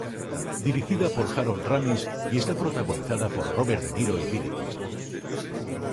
Dirigida por Harold Ramis, está protagonizada por Robert De Niro y Billy Crystal.